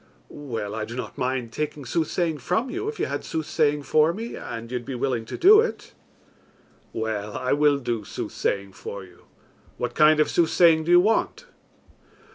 "Well, I do not mind taking soothsaying from you, if you had soothsaying for me, and you would be willing to do it." "Well, I will do soothsaying for you. What kind of soothsaying do you want?"